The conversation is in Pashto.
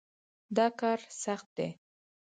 دا کار سخت دی.